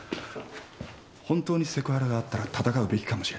本当にセクハラがあったら闘うべきかもしれない。